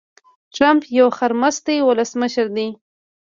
ټرمپ يو خرمستی ولسمشر دي.